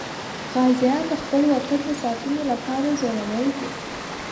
غازیان د خپل وطن د ساتنې لپاره زړور دي.